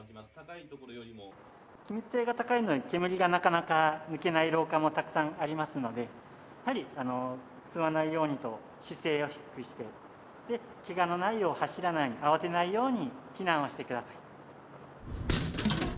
気密性が高いので、煙がなかなか抜けない廊下もたくさんありますので、やはり吸わないようにと、姿勢を低くして、けがのないよう走らない、慌てないように避難をしてください。